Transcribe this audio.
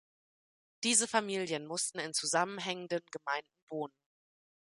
Diese Familien mussten in zusammenhängenden Gemeinden wohnen.